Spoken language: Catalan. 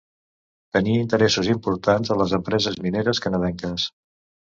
Tenia interessos importants a les empreses mineres canadenques.